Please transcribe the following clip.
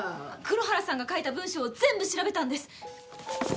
黒原さんが書いた文章を全部調べたんです。